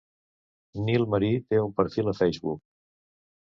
Nil Marí té un perfil a Facebook.